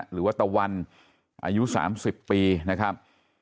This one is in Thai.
หรือว่าตะวันอายุ๓๐ปีนะครับ